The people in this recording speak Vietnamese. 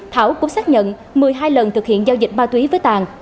thảo cũng xác nhận một mươi hai lần thực hiện giao dịch ma túy với tàn